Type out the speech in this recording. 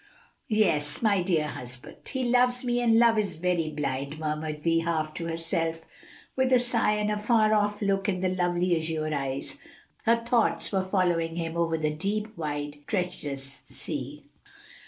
"Yes, my dear husband! he loves me, and love is very blind," murmured Vi, half to herself, with a sigh and a far off look in the lovely azure eyes. Her thoughts were following him over the deep, wide, treacherous sea.